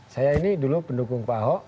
saya ini dulu pendukung pak ahok